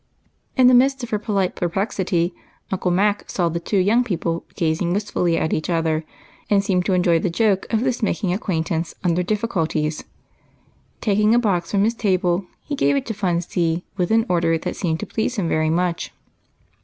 In the midst of her polite perj^lexity. Uncle Mac saw the two young people gazing wistfully at one another, and seemed to enjoy the joke of this making acquaintance under difficulties. Taking a box from his table, he gave it to Fun See with an order that seemed to please him very much.